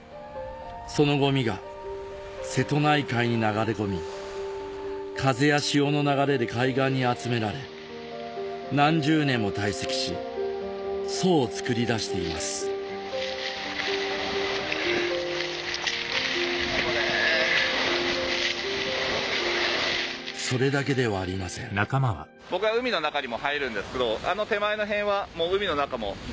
そのゴミが瀬戸内海に流れ込み風や潮の流れで海岸に集められ何十年も堆積し層をつくり出していますそれだけではありませんっていうだけのことなんでこれからの時代今。